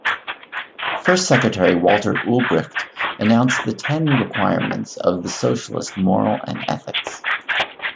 First Secretary Walter Ulbricht announced the "ten requirements of the socialist moral and ethics".